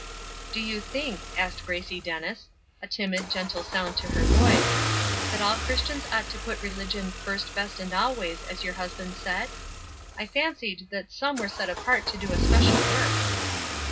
"Do you think," asked Gracie Dennis, a timid, gentle sound to her voice, "that all Christians ought to put religion 'first, best, and always,' as your husband said? I fancied that some were set apart to do a special work."